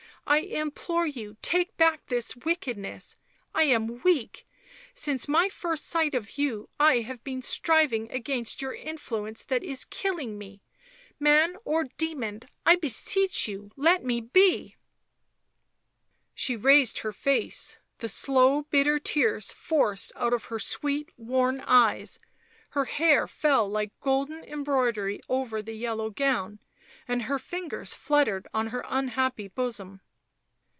" I implore you take back this wickedness, I am weak; since my first sight of you I have been striving against your influence that is killing me; man or demon, I beseech you, let me be !" She raised her face, the slow, bitter tears forced out of her sweet, worn eyes ; her hair fell like golden embroidery over the yellow gown, and her fingers flut tered on her unhappy bosom.